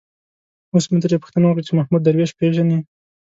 اوس مې ترې پوښتنه وکړه چې محمود درویش پېژني.